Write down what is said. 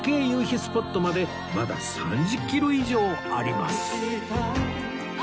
スポットまでまだ３０キロ以上あります